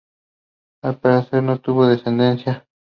Al parecer no tuvo descendencia.